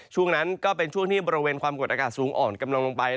ช่วงนั้นก็เป็นช่วงที่บริเวณความกดอากาศสูงอ่อนกำลังลงไป